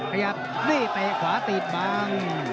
ขยับกรี๊ดเตะขวาตีดบาง